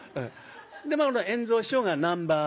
圓蔵師匠がナンバーワン。